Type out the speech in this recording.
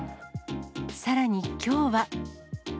さらにきょうは。